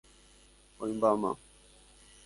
Oĩmbáma.